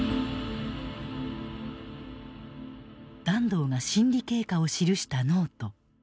團藤が審理経過を記したノート。